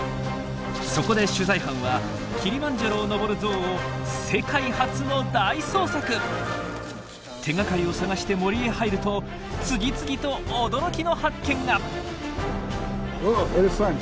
そこで取材班はキリマンジャロを登るゾウを手がかりを探して森へ入ると次々と驚きの発見が！